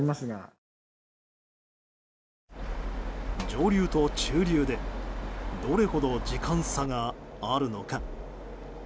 上流と中流でどれほど時間差があるのか。